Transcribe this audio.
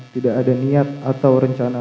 tidak ada niat atau rencana